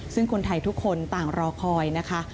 ซึ่งคนไทยทุกคนต่างรอคอยนะคะ